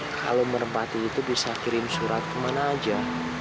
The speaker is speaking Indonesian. kalau merpati itu bisa kirim surat kemana aja